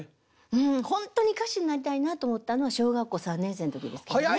うん本当に歌手になりたいなと思ったのは小学校３年生の時ですけどね。